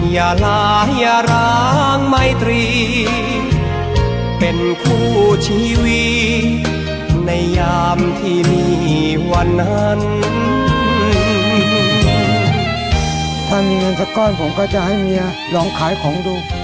อย่าล้าอย่าร้างไม่ตรีเป็นคู่ชีวิตในยามที่มีวันนั้น